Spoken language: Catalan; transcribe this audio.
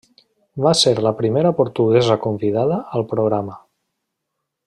Va ser la primera portuguesa convidada al programa.